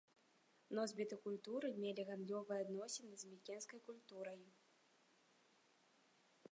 Носьбіты культуры мелі гандлёвыя адносіны з мікенскай культурай.